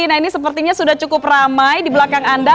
nah ini sepertinya sudah cukup ramai di belakang anda